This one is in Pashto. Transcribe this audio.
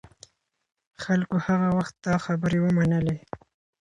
خلکو هغه وخت دا خبرې ومنلې.